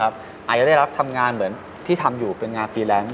อาจจะได้รับทำงานเหมือนที่ทำอยู่เป็นงานฟรีแลนซ์